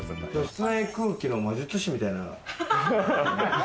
室内空気の魔術師みたいな。